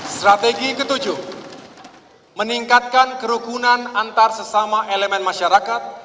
strategi ketujuh meningkatkan kerukunan antar sesama elemen masyarakat